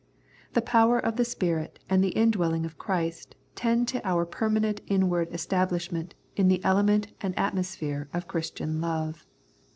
The power of the Spirit and the indwelling of Christ tend to our permanent inward estab lishment in the element and atmosphere of Christian love.